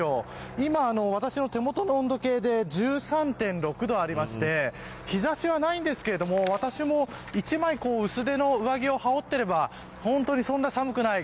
今、私の手元の温度計で１３．６度ありまして日差しはないんですけれども私も１枚薄手の上着を羽織っていればそんなに寒くない。